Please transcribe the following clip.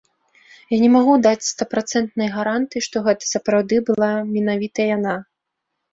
Я не магу даць стапрацэнтнай гарантыі, што гэта сапраўды была менавіта яна.